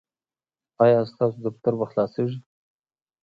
ایا ستاسو دفتر به خلاصیږي؟